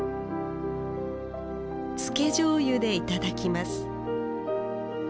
つけじょうゆで頂きます